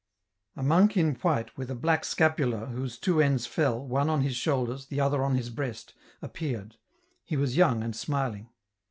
A monk in white with a black scapular whose two ends fell, one on his shoulders, the other on his breast, appeared ; he was young and smiling.